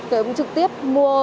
cũng trực tiếp mua